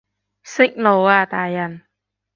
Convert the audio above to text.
息怒啊大人